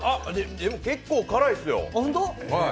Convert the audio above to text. でも結構辛いっすよ。